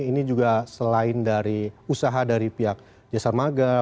ini juga selain dari usaha dari pihak jasarmaga